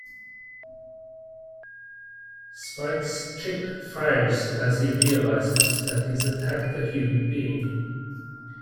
Spike's chip fires as he realizes that he's attacked a human being.